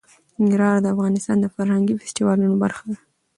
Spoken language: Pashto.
ننګرهار د افغانستان د فرهنګي فستیوالونو برخه ده.